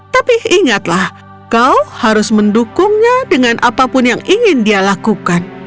tapi ingatlah kau harus mendukungnya dengan apapun yang ingin dia lakukan